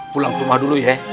pulang ke rumah dulu ya